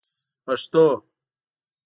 پښتو